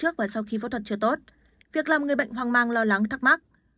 trước và sau khi phẫu thuật chưa tốt việc làm người bệnh hoang mang lo lắng thắc mắc